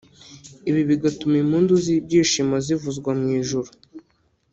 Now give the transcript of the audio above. ibi bigatuma impundu z’inyishimo zivuzwa mu ijuru